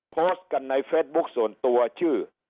โพสต์กันในเฟซบุ๊คส่วนตัวชื่อ